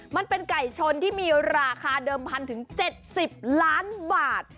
มันเป็นไก่ชนที่มีราคาเดิมพันถึง๗๐ล้านบาท